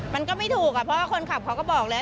มันก็ไม่ถูกเพราะว่าคนขับเขาก็บอกแล้ว